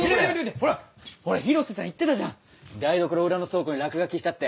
ほら広瀬さん言ってたじゃん台所裏の倉庫に落書きしたって。